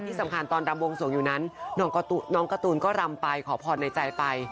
ที่สำคัญตอนรำวงสวงอยู่นั้นน้องการ์ตูนก็รำไปขอพรในใจไป